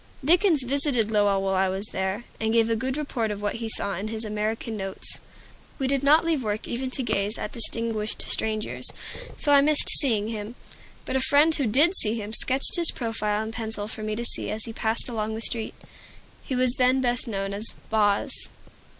Dickens visited Lowell while I was there, and gave a good report of what he saw in his "American Notes." We did not leave work even to gaze at distinguished strangers, so I missed seeing him. But a friend who did see him sketched his profile in pencil for me as he passed along the street. He was then best known as "Boz."